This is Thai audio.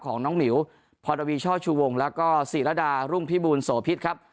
ของน้องหมิวพรวีช่อชูวงแล้วก็ศิรดารุ่งพิบูลโสพิษครับ